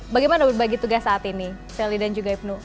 bagaimana berbagi tugas saat ini sally dan juga ibnu